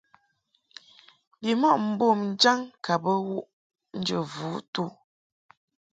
Bimɔʼ mbom jaŋ ka bə wuʼ njə vutu.